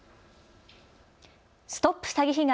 ＳＴＯＰ詐欺被害！